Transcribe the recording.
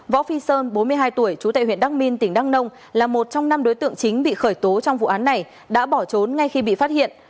võ phi sơn bốn mươi hai tuổi trú tại huyện đắc minh tỉnh đăng nông là một trong năm đối tượng chính bị khởi tố trong vụ án này đã bỏ trốn ngay khi bị phát hiện